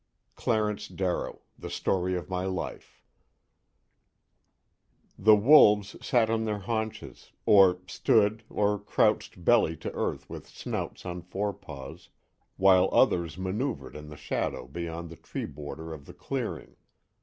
CLARENCE DARROW, The Story of My Life I The wolves sat on their haunches, or stood, or crouched belly to earth with snouts on forepaws, while others maneuvered in the shadow beyond the tree border of the clearing.